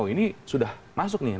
ini sudah masuk nih